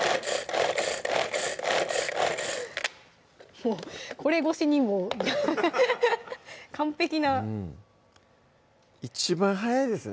もうこれ越しにもう完璧な一番早いですね